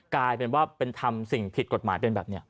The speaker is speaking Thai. กลายเป็นว่าเป็นทำสิ่งผิดกฎหมายเป็นแบบนี้